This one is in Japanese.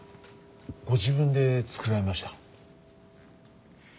ご自分で作られました。